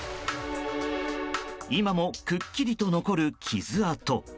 今もくっきりと残る傷痕。